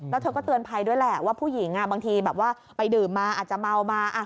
แล้วเธอก็เตือนภัยด้วยแหละว่าผู้หญิงบางทีแบบว่าไปดื่มมาอาจจะเมามา